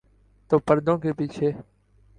تو پردوں کے پیچھے۔